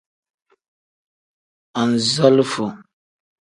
Anzalifo.